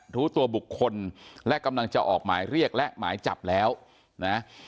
รู้ตัวบุคคลและกำลังจะออกหมายเรียกและหมายจับแล้วนะ